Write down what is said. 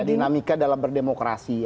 dinamika dalam berdemokrasi